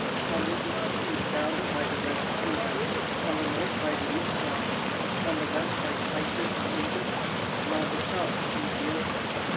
On the east it was bounded by the Red Sea, on the north by the Euxine, on the west by Cyprus and Egypt, and on the south by Ethiopia.